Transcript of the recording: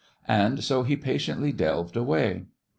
And so he patiently delved away.